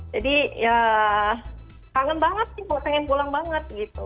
jadi ya kangen banget sih pengen pulang banget gitu